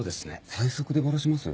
最速でバラします？